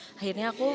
nah akhirnya aku